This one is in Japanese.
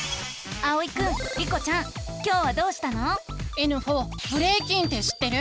えぬふぉブレイキンって知ってる？